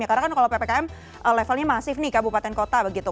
karena kan kalau ppkm levelnya masif nih kabupaten kota begitu